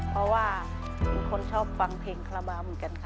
เพราะว่าเป็นคนชอบฟังเพลงคาราบาลเหมือนกันค่ะ